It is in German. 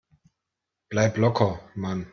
Bleib locker, Mann!